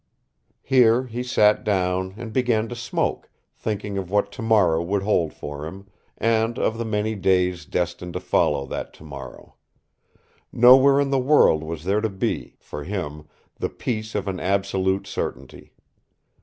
Here he sat down, and began to smoke, thinking of what tomorrow would hold for him, and of the many days destined to follow that tomorrow. Nowhere in the world was there to be for him the peace of an absolute certainty.